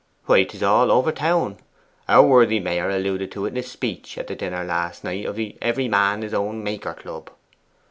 'Why, 'tis all over town. Our worthy Mayor alluded to it in a speech at the dinner last night of the Every Man his own Maker Club.